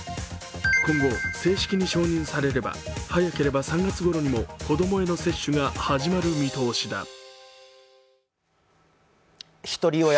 今後、正式に承認されれば早ければ３月ごろにも子供への接種が始まる見通しだ。